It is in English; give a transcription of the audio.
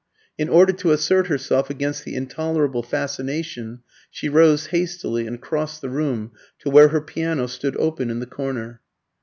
In order to assert herself against the intolerable fascination she rose hastily and crossed the room to where her piano stood open in the corner.